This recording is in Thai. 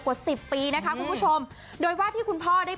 กว่าสิบปีนะคะคุณผู้ชมโดยว่าที่คุณพ่อได้